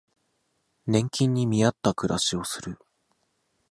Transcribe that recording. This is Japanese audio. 年金に見合った暮らしをする